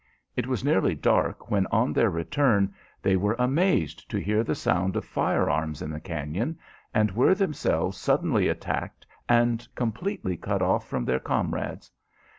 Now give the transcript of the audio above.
It was nearly dark when on their return they were amazed to hear the sound of fire arms in the cañon, and were themselves suddenly attacked and completely cut off from their comrades.